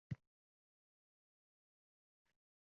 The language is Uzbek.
Quyosh qancha yorqin porlasa, oy shuncha tiniqlashadi.